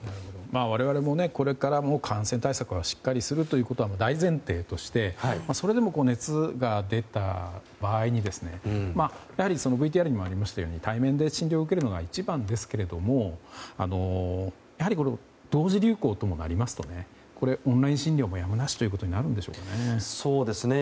我々もこれからも感染対策はしっかりとするということは大前提としてそれでも熱が出た場合にＶＴＲにもありましたように対面で診療を受けるのが一番ですけれどもやはり同時流行ともなりますとオンライン診療もやむなしとなるんでしょうね。